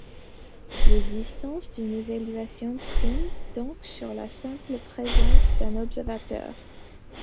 L'existence d'une évaluation prime donc sur la simple présence d'un observateur.